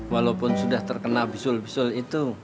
walaupun sudah terkena bisul bisul itu